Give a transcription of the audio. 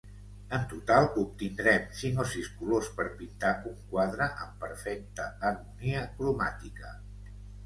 En total obtindrem cinc o sis colors per pintar un quadre en perfecta harmonia cromàtica.